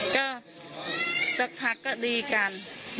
ก็สักพักก็ดีกัน